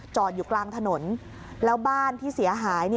อยู่กลางถนนแล้วบ้านที่เสียหาย